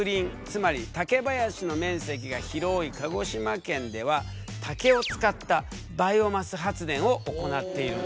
つまり竹林の面積が広い鹿児島県では竹を使ったバイオマス発電を行っているんだ。